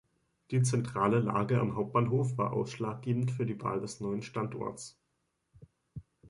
Die zentrale Lage am Hauptbahnhof war ausschlaggebend für die Wahl des neuen Standorts.